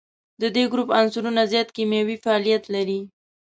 د دې ګروپ عنصرونه زیات کیمیاوي فعالیت لري.